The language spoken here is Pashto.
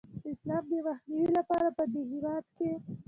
د اسلام د مخنیوي لپاره پدې هیواد کې